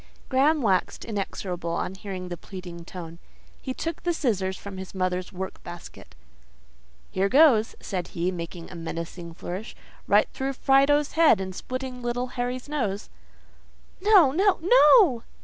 Graham waxed inexorable on hearing the pleading tone; he took the scissors from his mother's work basket. "Here goes!" said he, making a menacing flourish. "Right through Fido's head, and splitting little Harry's nose." "No! No! NO!"